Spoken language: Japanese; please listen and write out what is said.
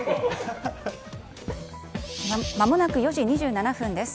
まもなく４時２７分です。